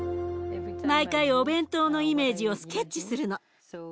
毎回お弁当のイメージをスケッチするの。